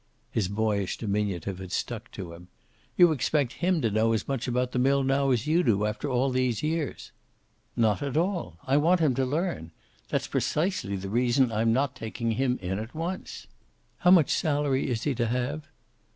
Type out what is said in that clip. His boyish diminutive had stuck to him. "You expect him to know as much about the mill now as you do, after all these years." "Not at all. I want him to learn. That's precisely the reason why I'm not taking him in at once." "How much salary is he to have?"